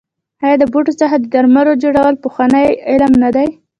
آیا د بوټو څخه د درملو جوړول پخوانی علم نه دی؟